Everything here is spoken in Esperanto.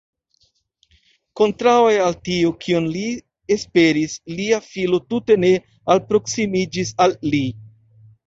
Kontraŭe al tio, kion li esperis, lia filo tute ne alproksimiĝis al li.